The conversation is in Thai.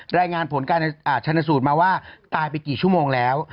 แรงงานผลคณสูตรมาว่าตายไปกี่ชั่วโมงแล้ว